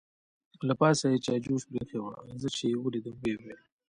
له پاسه یې چای جوش پرې اېښې وه، زه چې یې ولیدم ویې ویل.